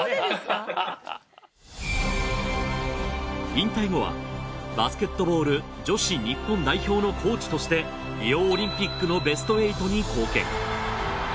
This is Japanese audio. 引退後はバスケットボール女子日本代表のコーチとしてリオオリンピックのベスト８に貢献。